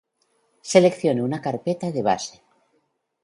seleccione una carpeta de base